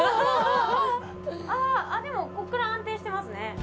あ、でもここから安定しています。